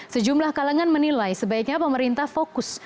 sejumlah kalangan menilai sebaiknya pemerintah fokus